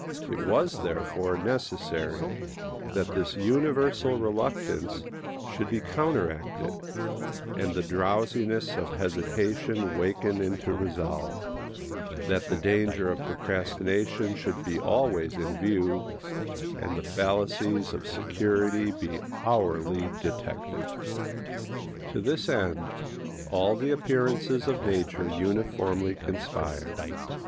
It was, therefore, necessary that this universal reluctance should be counteracted, and the drowsiness of hesitation wakened into resolve; that the danger of procrastination should he always in view, and the fallacies of security be hourly detected. To this end all the appearances of nature uniformly conspire.